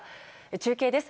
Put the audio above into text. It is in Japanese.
中継です。